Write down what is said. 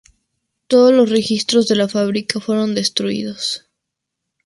Todos los registros de la fábrica fueron destruidos.